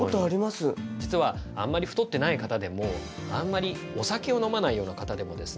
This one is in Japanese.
実はあんまり太ってない方でもあんまりお酒を飲まないような方でもですね